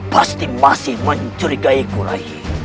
pasti masih mencurigaiku rai